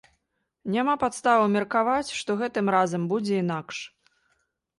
Няма падстаў меркаваць, што гэтым разам будзе інакш.